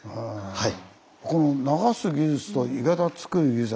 はい。